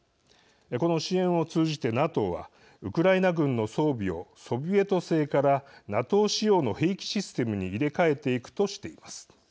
この支援を通じて、ＮＡＴＯはウクライナ軍の装備をソビエト製からＮＡＴＯ仕様の兵器システムに入れ替えていくとしています。